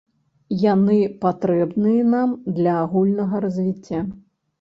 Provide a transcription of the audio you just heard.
Яны патрэбныя нам для агульнага развіцця.